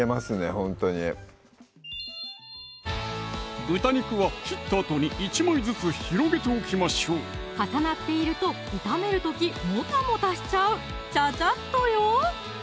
ほんとに豚肉は切ったあとに１枚ずつ広げておきましょう重なっていると炒める時もたもたしちゃうちゃちゃっとよ！